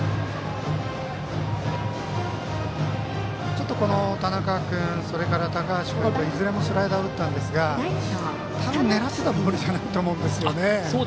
ちょっと田中君と高橋君全部スライダーを打ったんですが多分、狙っていたボールじゃないと思うんですね。